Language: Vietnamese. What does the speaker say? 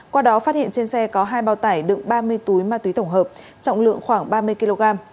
qua đó phát hiện trên xe có hai bao tải đựng ba mươi túi ma túy tổng hợp trọng lượng khoảng ba mươi kg